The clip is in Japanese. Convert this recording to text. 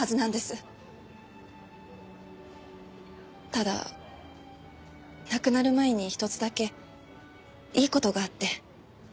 ただ亡くなる前に一つだけいい事があって。